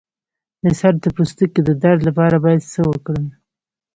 د سر د پوستکي د درد لپاره باید څه وکړم؟